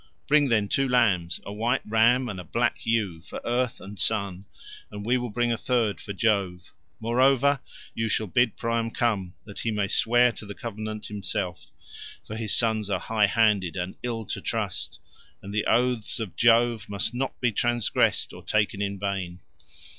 Bring, then, two lambs, a white ram and a black ewe, for Earth and Sun, and we will bring a third for Jove. Moreover, you shall bid Priam come, that he may swear to the covenant himself; for his sons are high handed and ill to trust, and the oaths of Jove must not be transgressed or taken in vain.